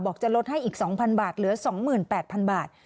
จะลดให้อีก๒๐๐บาทเหลือ๒๘๐๐๐บาท